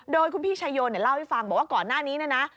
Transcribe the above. โดยคุณพี่ชายโยนเล่าให้ฟังบอกว่าก่อนหน้านี้เนี่ยนะ